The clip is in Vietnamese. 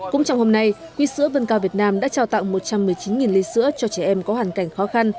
cũng trong hôm nay quỹ sữa vân cao việt nam đã trao tặng một trăm một mươi chín ly sữa cho trẻ em có hoàn cảnh khó khăn